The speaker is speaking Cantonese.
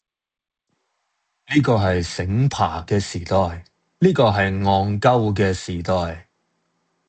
呢個係醒爬嘅時代，呢個係戇鳩嘅時代，